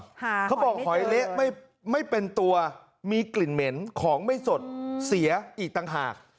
เขาบอกหอยเละไม่ไม่เป็นตัวมีกลิ่นเหม็นของไม่สดเสียอีกต่างหาก